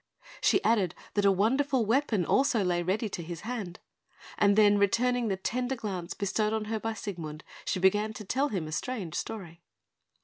She added that a wonderful weapon also lay ready to his hand; and then, returning the tender glance bestowed upon her by Siegmund, she began to tell him a strange story.